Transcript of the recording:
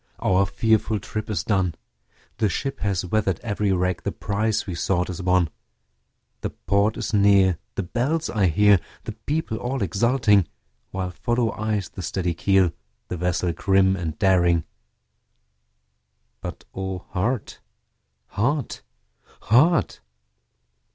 our fearful trip is done, The ship has weather'd every rack, the prize we sought is won, The port is near, the bells I hear, the people all exulting, While follow eyes the steady keel, the vessel grim and daring; But O heart! heart! heart!